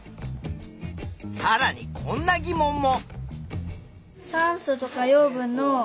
さらにこんな疑問も！